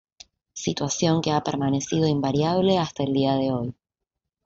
Situación que ha permanecido invariable hasta el día de hoy.